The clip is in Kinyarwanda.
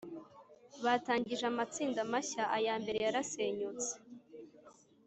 batangije amatsinda mashya ayambere yarasenyutse